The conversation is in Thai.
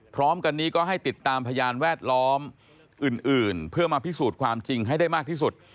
พร้อมกันนี้ก็ให้ติดตามพยานแวดล้อมอื่นเพื่อมาพิสูจน์ความจริงให้ได้มากที่สุด